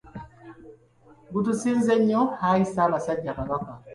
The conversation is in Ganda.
Gutusinze nnyo Ayi Ssaabasajja Kabaka.